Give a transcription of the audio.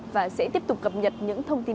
và sẽ tiếp tục cập nhật những thông tin